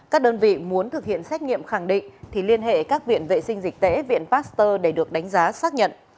các đơn vị muốn thực hiện xét nghiệm khẳng định thì liên hệ các viện vệ sinh dịch tễ viện pasteur để được đánh giá xác nhận